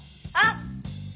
あっ！